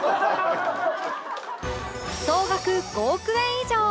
総額５億円以上